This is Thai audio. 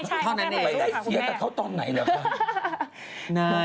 ผมก็ไม่เห็นท่าบอกว่าเขาไปเสียแต่เขาตอนไหนนะคะ